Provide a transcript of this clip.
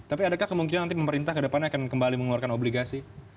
tapi adakah kemungkinan nanti pemerintah ke depannya akan kembali mengeluarkan obligasi